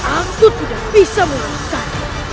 aku tidak bisa memulihkan